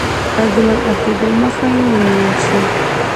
د مطرح کېدلو مخه یې ونیول شي.